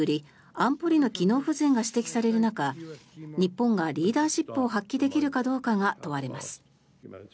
安保理の機能不全が指摘される中日本がリーダーシップを発揮できるかどうかが問われます。